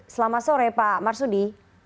selamat sore pak marsudi